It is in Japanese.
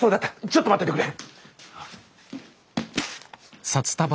ちょっと待っててくれ。